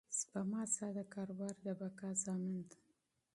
سپما ستا د کاروبار د بقا ضامن ده.